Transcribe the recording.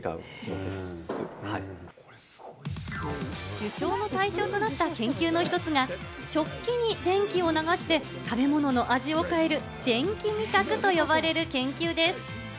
受賞の対象となった研究の１つが、食器に電気を流して食べ物の味を変える電気味覚と呼ばれる研究です。